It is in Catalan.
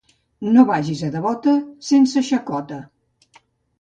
No vagis a devota, sense xacota.